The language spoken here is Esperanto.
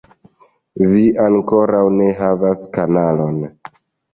Vi ankoraŭ ne havas kanalon